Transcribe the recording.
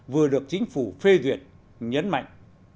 vừa được chính phủ phê duyệt nhấn mạnh